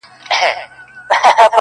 سړي ښخ کئ سپي د کلي هدیره کي,